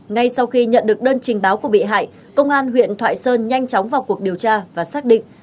ngay sau khi nhận được đơn trình báo của bị hại công an huyện thoại sơn nhanh chóng vào cuộc điều tra và xác định